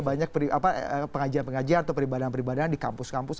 banyak pengajian pengajian atau peribadahan peribadahan di kampus kampus